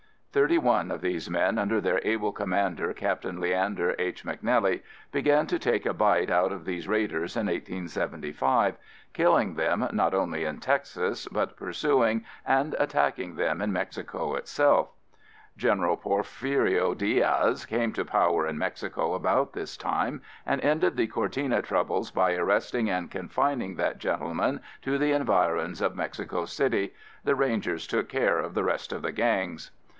Thirty one of these men, under their able commander Captain Leander H. McNelly, began to take a bite out of these raiders in 1875, killing them not only in Texas but pursuing and attacking them in Mexico itself. [Illustration: Indians with horses and travois] General Porfirio Diaz came to power in Mexico about this time and ended the Cortina troubles by arresting and confining that gentleman to the environs of Mexico City. The Rangers took care of the rest of the gangs.